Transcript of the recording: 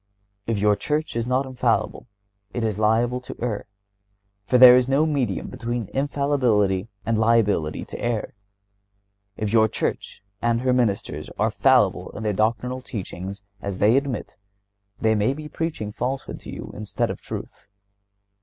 If your church is not infallible it is liable to err, for there is no medium between infallibility and liability to error. If your church and her ministers are fallible in their doctrinal teachings, as they admit, they may be preaching falsehood to you, instead of truth.